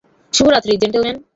শুভ রাত্রি, জেন্টলমেন।